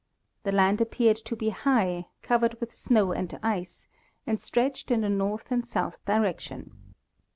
The land appeared to be high, covered with snow and ice, and stretched in a north and south direction.